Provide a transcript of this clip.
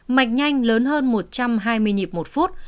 mạch nhanh lớn hơn một trăm hai mươi nhịp một phút